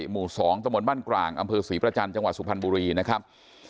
หมู่๒ตะบนบ้านกลางอำเภอศรีประจันทร์จังหวัดสุพรรณบุรีนะครับ